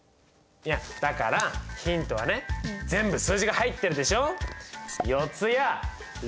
いやだからヒントはね全部数字が入ってるでしょ。